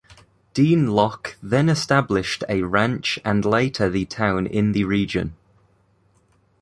Dean Locke then established a ranch and later the town in the region.